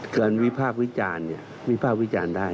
เกินวิภาพวิจารเนี่ยวิภาพวิจารได้